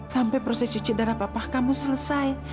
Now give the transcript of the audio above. sampai proses cuci darah bapak kamu selesai